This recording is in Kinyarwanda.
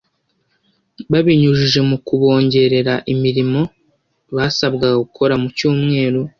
babinyujije mu kobongerera imirimo basabwaga gukora mu cyumweru